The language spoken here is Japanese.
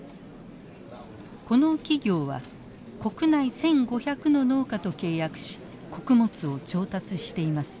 この企業は国内１，５００の農家と契約し穀物を調達しています。